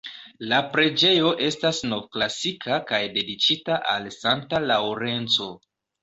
La preĝejo estas novklasika kaj dediĉita al Santa Laŭrenco.